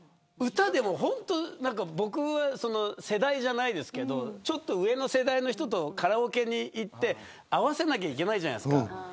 僕は世代じゃないですけどちょっと上の世代の人とカラオケ行って合わせないといけないじゃないですか。